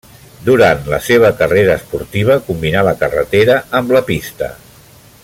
Durant la seva carrera esportiva combinà la carretera amb la pista.